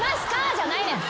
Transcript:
じゃないねん。